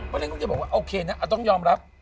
ก็เลยต้องจะบอกว่าโอเคนะต้องยอมรับ